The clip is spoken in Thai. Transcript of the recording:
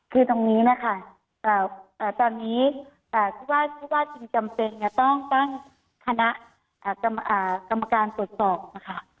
คือตรงนี้นะคะตอนนี้ผู้ว่าผู้ว่าจริงจำเป็นจะต้องตั้งคณะกรรมการตรวจสอบนะคะ